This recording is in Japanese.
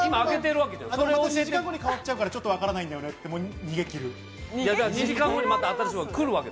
２時間後に変わっちゃうから、ちょっと分からないんだよねって逃げ切る。